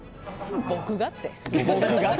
僕がって。